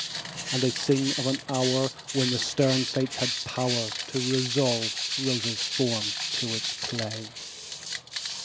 And they sing of the hour When the stern fates had power To resolve Rosa's form to its clay.